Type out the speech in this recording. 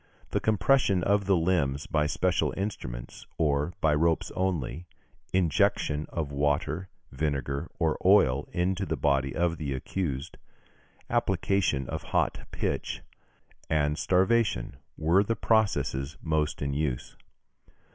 The compression of the limbs by special instruments, or by ropes only; injection of water, vinegar, or oil, into the body of the accused; application of hot pitch, and starvation, were the processes most in use.